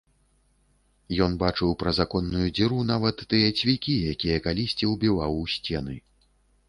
Ён бачыў праз аконную дзіру нават тыя цвікі, якія калісьці ўбіваў у сцены.